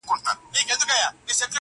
• زه د سر په بدله ترې بوسه غواړم..